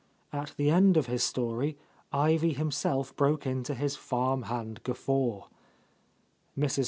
At the end of his story Ivy himself broke into his farm hand guffaw. Mrs.